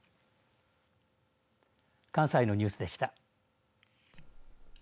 関西のニュースでした。